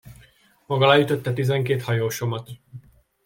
Maga leütötte tizenkét hajósomat.